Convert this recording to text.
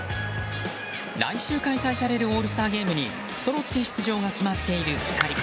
来週開催されるオールスターゲームにそろって出場が決まっている２人。